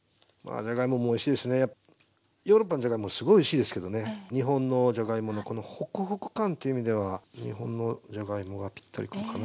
ヨーロッパのじゃがいももすごいおいしいですけどね日本のじゃがいものこのホクホク感っていう意味では日本のじゃがいもがぴったりくるかな。